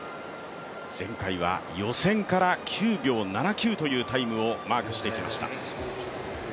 前回は予選から９秒７９というタイムをマークしてきました。